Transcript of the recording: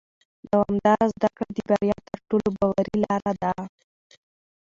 دوامداره زده کړه د بریا تر ټولو باوري لاره ده